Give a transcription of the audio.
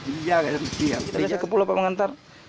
dijaga ke pulau pak mengantar